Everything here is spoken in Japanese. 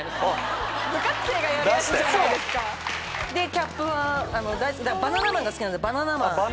キャップはバナナマンが好きなんで。